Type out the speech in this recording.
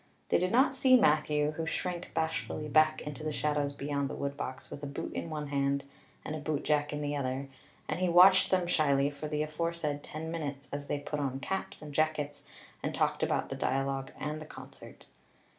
They did not see Matthew, who shrank bashfully back into the shadows beyond the woodbox with a boot in one hand and a bootjack in the other, and he watched them shyly for the aforesaid ten minutes as they put on caps and jackets and talked about the dialogue and the concert.